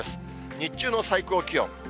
日中の最高気温。